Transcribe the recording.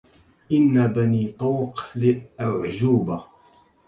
إن بني طوق لأعجوبة